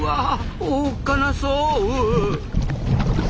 おっかなそう。